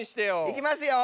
いきますよ。